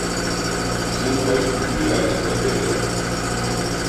Simples convidades de pedra.